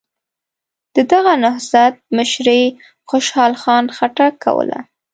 د دغه نهضت مشري خوشحال خان خټک کوله.